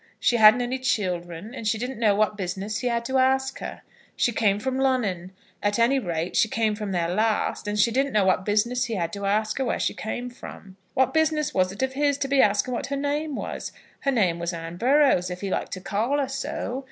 She hadn't any children, and she didn't know what business he had to ask her. She came from Lunnun. At any rate, she came from there last, and she didn't know what business he had to ask her where she came from. What business was it of his to be asking what her name was? Her name was Anne Burrows, if he liked to call her so.